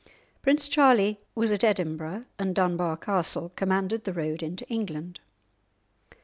Prince Charlie was at Edinburgh, and Dunbar Castle commanded the road into England.